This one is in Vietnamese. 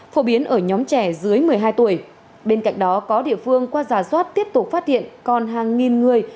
phổ biến ở nhóm trẻ dưới một mươi hai tuổi bên cạnh đó có địa phương qua giả soát tiếp tục phát hiện còn hàng nghìn người